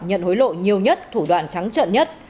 nhận hối lộ nhiều nhất thủ đoạn trắng trận nhất